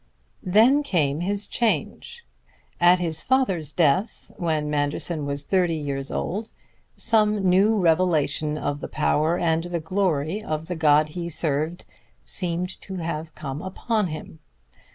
Then came his change. At his father's death, when Manderson was thirty years old, some new revelation of the power and the glory of the god he served seemed to have come upon him.